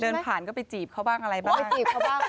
เดินผ่านก็ไปจีบเขาบ้างอะไรบ้าง